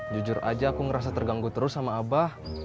jujur aja aku ngerasa terganggu terus sama abah